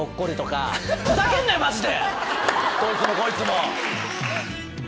どいつもこいつも！